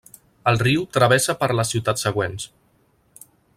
El riu travessa per les ciutats següents: